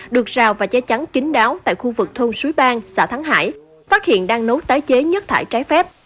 được rào và che chắn kính đáo tại khu vực thôn suối bang xã thắng hải phát hiện đang nấu tái chế nhất thải trái phép